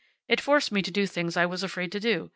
It forced me to do things I was afraid to do.